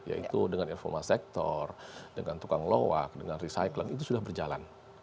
yaitu dengan informal sector dengan tukang lowak dengan recycle itu sudah berjalan